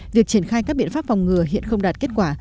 việc triển khai các biện pháp phòng ngừa hiện không đạt kết quả